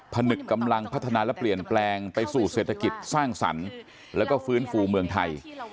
ผนึกกำลังพัฒนาและเปลี่ยนแปลงไปสู่เศรษฐกิจสร้างสรรค์แล้วก็ฟื้นฟูเมืองไทย